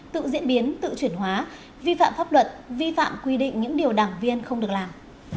tự diễn biến tự chuyển hóa vi phạm pháp luật vi phạm quy định những điều đảng viên không được làm